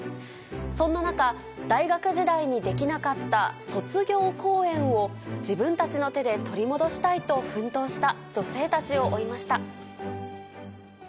そんな中、大学時代にできなかった卒業公演を、自分たちの手で取り戻したいと奮闘した女性たちを追いました。